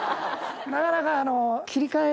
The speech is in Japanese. なかなか。